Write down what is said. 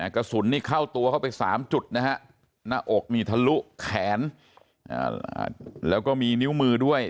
กระสุนนี่เข้าตัวเข้าไป๓จุดนะฮะหน้าอกนี่ทะลุแขนแล้วก็มีนิ้วมือด้วย